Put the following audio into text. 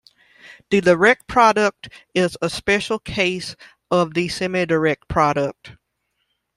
The direct product is a special case of the semidirect product.